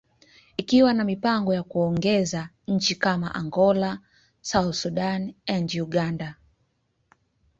ikiwa na mipango ya kuongeza nchi kama Angola, South Sudan, and Uganda.